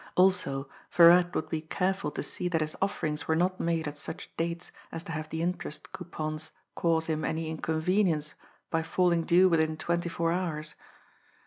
Also Virat would be careful to see that his offerings were not made at such dates as to have the interest coupons cause him any inconvenience by falling due within twenty four hours!